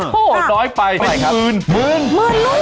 โทษน้อยไปอะไรครับเป็นหมื่นหมื่นหมื่นลูก